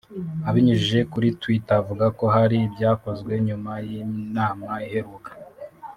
abinyujije kuri twitter avuga ko “hari ibyakozwe nyuma y’inama iheruka